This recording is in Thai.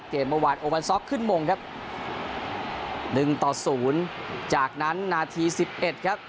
เกมประวัติโอเวอร์ซอคขึ้นมงครับ๑ต่อ๐จากนั้นนาที๑๑ครับ